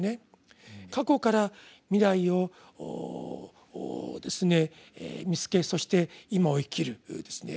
過去から未来を見つけそして今を生きる。